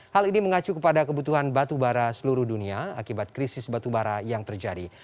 hal ini mengacu kepada kebutuhan batubara seluruh dunia akibat krisis batubara yang terjadi